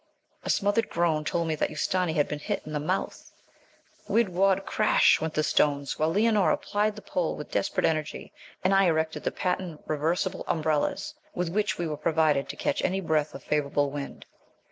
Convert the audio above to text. A smothered groan told me that Ustâni had been hit in the mouth. Whid, whad, crash went the stones, while Leonora plied the pole with desperate energy, and I erected the patent reversible umbrellas with which we were provided to catch any breath of favourable wind.